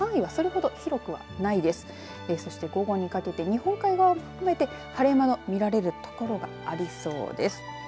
そして午後にかけて日本海側を含めて晴れ間が見られる所がありそうです。